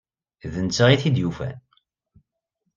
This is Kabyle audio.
D netta ay t-id-yufan.